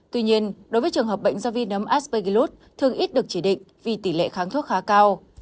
tuy nhiên đối với trường hợp bệnh do vi nấm aspegillus thường ít được chỉ định vì tỷ lệ kháng thuốc khá cao